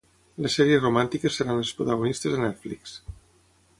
Les sèries romàntiques seran les protagonistes a Netflix.